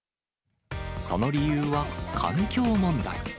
その理由は環境問題。